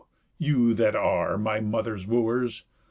you that are, My mother's wooers!